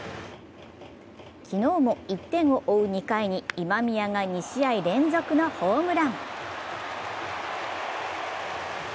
昨日も１点を追う２回に今宮が２試合連続のホームラン。